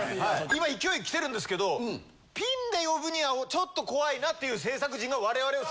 今勢い来てるんですけどピンで呼ぶにはちょっと怖いなっていう制作人が我々を。